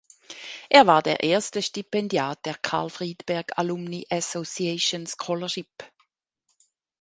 Er war der erste Stipendiat der "Carl Friedberg Alumni Association Scholarship".